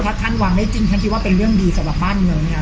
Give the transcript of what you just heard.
ถ้าท่านวางได้จริงท่านคิดว่าเป็นเรื่องดีสำหรับบ้านเมืองเนี่ย